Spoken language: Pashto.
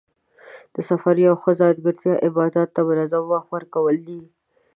د سفر یوه ښه ځانګړتیا عباداتو ته منظم وخت ورکول دي.